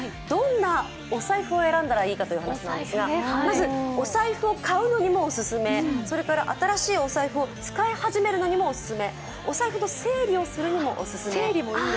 どんなお財布を選んだらいいかというお話なんですがまずお財布を買うのにもオススメ、それから新しいお財布を使い始めるのにもおすすめ、お財布の整理にもおすすめ。